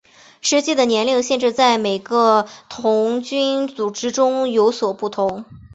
实际的年龄限制在每个童军组织中有所不同。